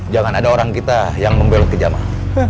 jangan ada orang kita yang membelut ke jamal